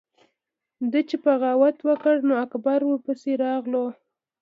ده چې بغاوت وکړو نو اکبر ورپسې راغلو۔